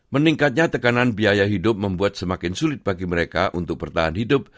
meningkatnya tekanan biaya hidup membuat semakin sulit bagi mereka untuk bertahan hidup